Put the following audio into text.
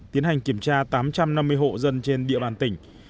tiến hành kiểm tra tám trăm năm mươi hộ dân trên địa bàn tỉnh